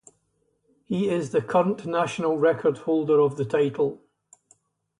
He is the current national record holder of the title.